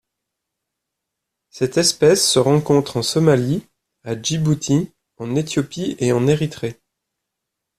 Cette espèce se rencontre en Somalie, à Djibouti, en Éthiopie et en Érythrée.